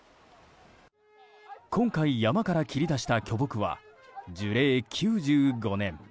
今回、山から切り出した巨木は樹齢９５年。